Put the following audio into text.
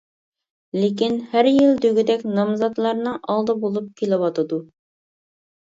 لېكىن ھەر يىلى دېگۈدەك نامزاتلارنىڭ ئالدى بولۇپ كېلىۋاتىدۇ.